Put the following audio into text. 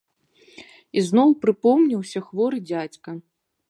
Ізноў прыпомніўся хворы дзядзька.